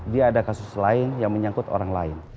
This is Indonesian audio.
dia ada kasus lain yang menyangkut orang lain